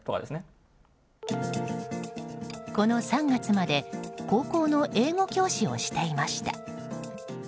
この３月まで高校の英語教師をしていました。